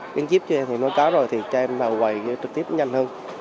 cái chip chưa thì nó có rồi thì cho em vào quầy trực tiếp nhanh hơn